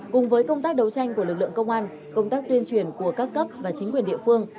cùng với công tác đấu tranh của lực lượng công an công tác tuyên truyền của các cấp và chính quyền địa phương